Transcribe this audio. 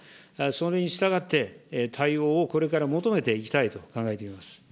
それに従って、対応をこれから求めていきたいと考えています。